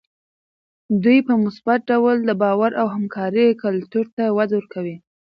دوی په مثبت ډول د باور او همکارۍ کلتور ته وده ورکوي.